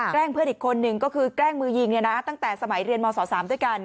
เพื่อนอีกคนนึงก็คือแกล้งมือยิงตั้งแต่สมัยเรียนมศ๓ด้วยกัน